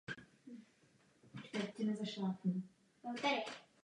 Tato krize proto představuje příležitost, kterou bychom měli využít.